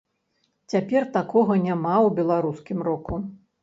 Цяпер такога няма ў беларускім року.